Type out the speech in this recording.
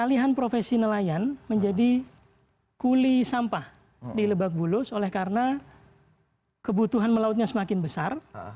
dan profesi nelayan menjadi kuli sampah di lebak bulus oleh karena kebutuhan melautnya semakin besar